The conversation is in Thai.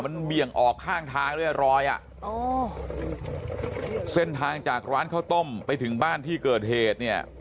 มันเบี่ยงออกข้างทางด้วยรอยอ่ะอ๋อเส้นทางจากร้านข้าวต้มไปถึงบ้านที่เกิดเหตุเนี่ย